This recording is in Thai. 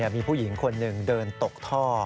มีผู้หญิงคนหนึ่งเดินตกท่อ